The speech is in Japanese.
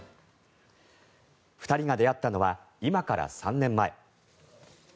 ２人が出会ったのは今から３年前。